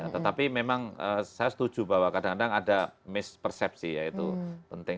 tetapi memang saya setuju bahwa kadang kadang ada mispersepsi ya itu penting